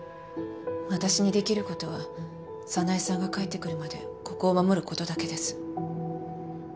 私に出来る事は早苗さんが帰ってくるまでここを守る事だけです。